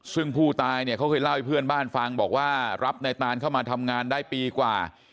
ซึ่งผู้ตายเนี่ยเขาเคยเล่าให้เพื่อนบ้านฟังบอกว่ารับนายตานเข้ามาทำงานได้ปีกว่า